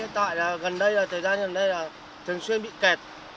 tại là gần đây là thời gian gần đây là thường xuyên bị kẹt